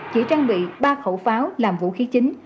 chỉ trang bị ba khẩu pháo làm vũ khí chính